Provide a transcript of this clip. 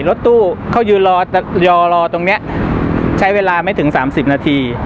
รถตู้เขายืนรอตรงนี้ใช้เวลาไม่ถึง๓๐นาที